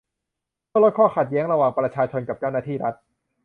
เพื่อลดข้อขัดแย้งระหว่างประชาชนกับเจ้าหน้าที่รัฐ